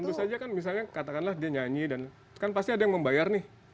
tentu saja kan misalnya katakanlah dia nyanyi dan kan pasti ada yang membayar nih